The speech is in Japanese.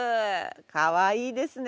かわいいですね。